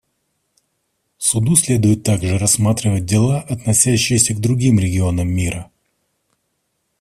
Суду следует также рассматривать дела, относящиеся к другим регионам мира.